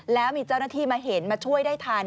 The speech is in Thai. แล้วมีเจ้าหน้าที่มาเห็นมาช่วยได้ทัน